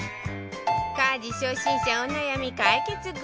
家事初心者お悩み解決グッズ